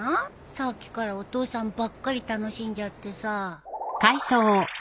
さっきからお父さんばっかり楽しんじゃってさ。